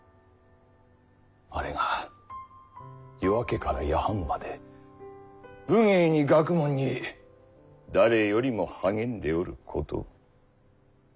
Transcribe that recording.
あれが夜明けから夜半まで武芸に学問に誰よりも励んでおることを。